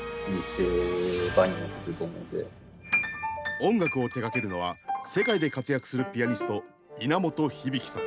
音楽を手がけるのは世界で活躍するピアニスト稲本響さん。